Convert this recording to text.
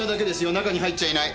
中に入っちゃいない。